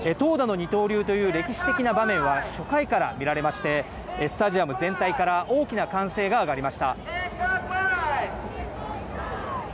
投打の二刀流という歴史的な場面は初回から見られまして、スタジアム全体から大きな歓声があがりました。